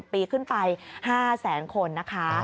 ปีขึ้นไป๕แสนคนนะคะ